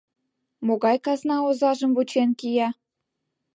Могай казна озажым вучен кия!